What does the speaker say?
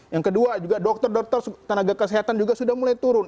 yang kedua juga dokter dokter tenaga kesehatan juga sudah mulai turun